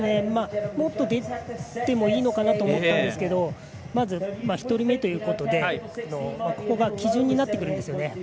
もっと出てもいいのかなと思ったんですがまず、１人目ということでここが基準になってくるんですね。